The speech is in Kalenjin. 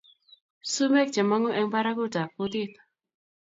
Sumeek chemangu eng barakutab kutit